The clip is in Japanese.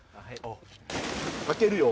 開けるよ。